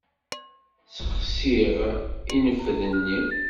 Ssexsiɣ infed-nni.